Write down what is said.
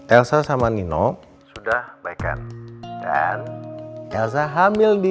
elsa sama nino sudah kebaikan dan elsa hamil din